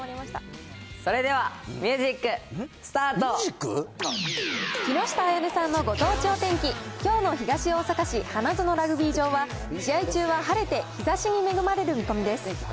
それでは、木下彩音さんのご当地お天気、きょうの東大阪市、花園ラグビー場は、試合中は晴れて、日ざしに恵まれる見込みです。